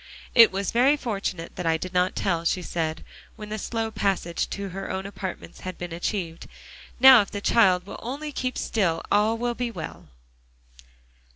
"It was very fortunate that I did not tell," she said, when the slow passage to her own apartments had been achieved. "Now if the child will only keep still, all will be well."